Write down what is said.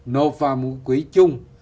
nộp vào một quỹ chung